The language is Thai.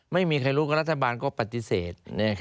ไม่มีใครรู้ก็รัฐบาลก็ปฏิเสธ